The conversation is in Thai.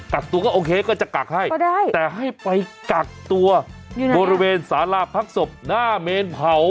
กักตัวก็โอเคก็จะกักให้ก็ได้แต่ให้ไปกักตัวบริเวณสาราพักศพหน้าเมนเผา